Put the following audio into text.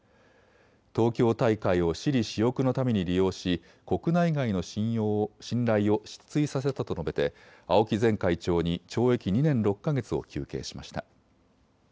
東京大会を私利私欲のために利用し国内外の信頼を失墜させたと述べて、青木前会長に懲役２年６か月を求刑しました。